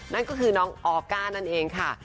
นั่นก็คือน้องออก้านั่นเองค่ะ